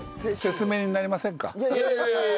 いやいやいやいや。